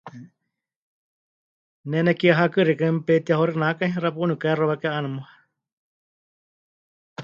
Ne nekie hakɨ xeikɨ́a mepɨtehetihauxinakai, xapuuni pɨkahexuawékai 'aana muuwa.